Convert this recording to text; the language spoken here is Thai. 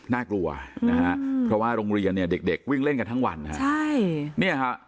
น่ากลัวนะฮะเพราะว่าโรงเรียนเนี่ยเด็กเด็กวิ่งเล่นกันทั้งวันฮะใช่เนี่ยฮะ